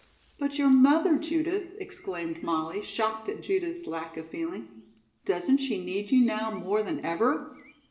"But your mother, Judith," exclaimed Molly, shocked at Judith's lack of feeling, "doesn't she need you now more than ever?"